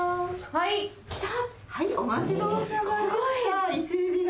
はい来た！